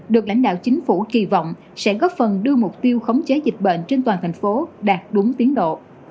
được lãnh đạo chính phủ kỳ vọng sẽ góp phần đưa mục tiêu khống chế dịch bệnh trên toàn thành phố đạt đúng tiến độ